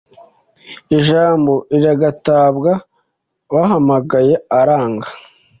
ijambo riragatabwa bahamagaye aranga